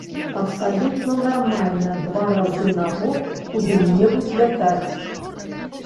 Абсалютна нармальна два разы на год куды-небудзь лятаць.